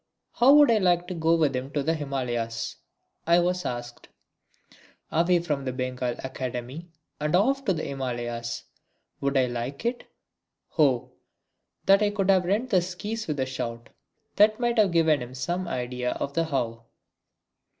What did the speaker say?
How would I like to go with him to the Himalayas, I was asked. Away from the Bengal Academy and off to the Himalayas! Would I like it? O that I could have rent the skies with a shout, that might have given some idea of the How!